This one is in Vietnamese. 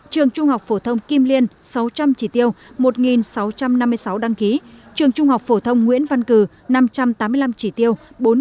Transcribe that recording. trường trung học phổ thông kim liên sáu trăm linh trị tiêu một sáu trăm năm mươi sáu đăng ký trường trung học phổ thông nguyễn văn cử năm trăm tám mươi năm trị tiêu bốn hai trăm hai mươi năm